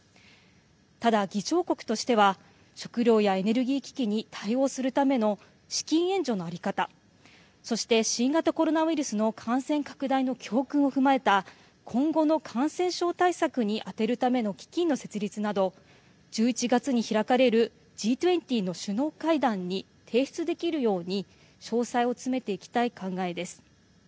ただ、議長国としては食料やエネルギー危機に対応するための資金援助の在り方そして、新型コロナウイルスの感染拡大の教訓を踏まえた今後の感染症対策に充てるための基金の設立など１１月に開かれるＧ２０の首脳会談に提出できるように詳細を詰めていきたい考えです。